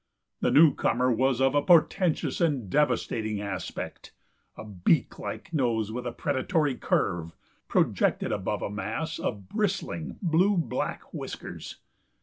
The newcomer was of a portentous and devastating aspect. A beak like nose with a predatory curve projected above a mass of bristling, blue black whiskers.